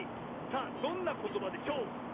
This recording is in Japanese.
さあどんなことばでしょう？